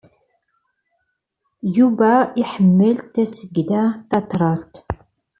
Yuba iḥemmel tasegda tatrart.